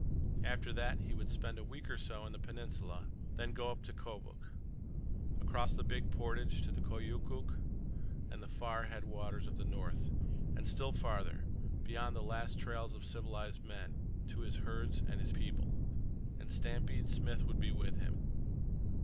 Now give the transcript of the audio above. After that he would spend a week or so in the Peninsula, then go up the Kobuk, across the big portage to the Koyukuk and the far headwaters of the north, and still farther—beyond the last trails of civilized men—to his herds and his people. And Stampede Smith would be with him.